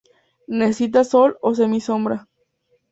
Necesita sol o semisombra.